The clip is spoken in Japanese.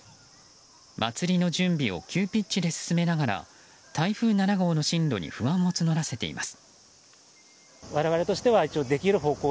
祭りの準備を急ピッチで進めながら台風７号の進路に不安を募らせています。